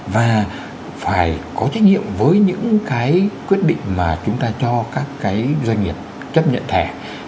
và phải có trách nhiệm với những cái quyết định mà chúng ta cho các cái doanh nghiệp chấp nhận thẻ